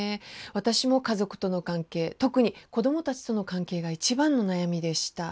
私も家族との関係特に子どもたちとの関係が一番の悩みでした。